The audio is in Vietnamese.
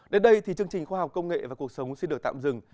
đến đây thì chương trình khoa học công nghệ và cuộc sống xin được tạm dừng